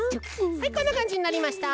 はいこんなかんじになりました。